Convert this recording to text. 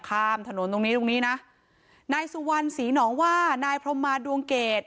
ข้ามถนนตรงนี้ตรงนี้นะนายสุวรรณศรีหนองว่านายพรมมาดวงเกต